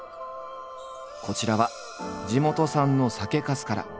こちらは地元産の酒粕から。